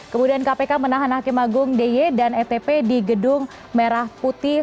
kemudian kpk menahan hakim agung dy dan etp di gedung merah putih